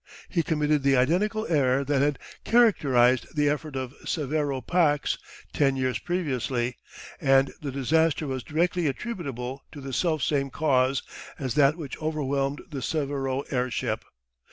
He committed the identical error that characterised the effort of Severo Pax ten years previously, and the disaster was directly attributable to the self same cause as that which overwhelmed the Severo airship.